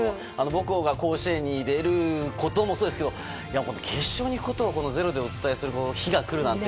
母校が甲子園に出ることもそうですけど今度は決勝に行くことを「ｚｅｒｏ」でお伝えする日が来るなんて